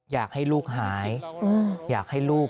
อยากให้ลูกหายอยากให้ลูก